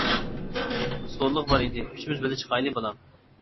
سودىلىق بار ئىدى، ئۈچىمىز بىللە چىقايلى بالام.